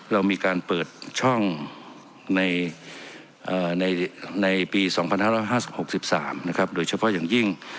เรามีการเปิดช่องในปี๒๕๕๖๓นะครับโดยเฉพาะอย่างยิ่ง